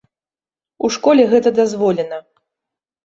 У школе гэта дазволена.